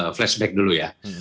flashback dulu ya